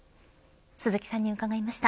鈴木さんに伺いました。